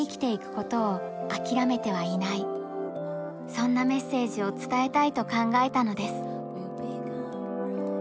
そんなメッセージを伝えたいと考えたのです。